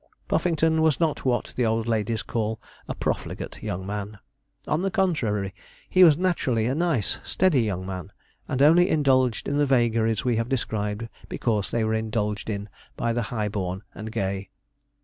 Puffington was not what the old ladies call a profligate young man. On the contrary, he was naturally a nice, steady young man; and only indulged in the vagaries we have described because they were indulged in by the high born and gay.